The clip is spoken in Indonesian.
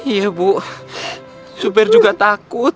iya bu supir juga takut